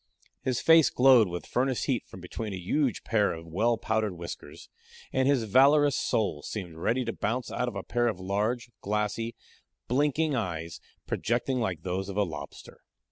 His face glowed with furnace heat from between a huge pair of well powdered whiskers, and his valorous soul seemed ready to bounce out of a pair of large, glassy, blinking eyes, projecting like those of a lobster.